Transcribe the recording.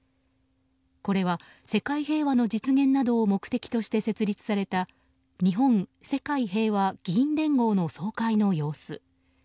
これは世界平和の実現などを目的として設立された日本・世界平和議員連合の総会の様子。